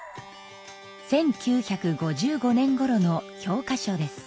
１９５５年ごろの教科書です。